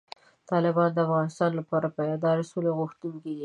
طالبان د افغانستان لپاره د پایداره سولې غوښتونکي دي.